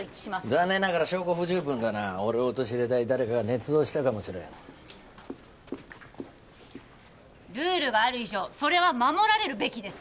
残念ながら証拠不十分だな俺を陥れたい誰かがねつ造したかもしれんルールがある以上それは守られるべきです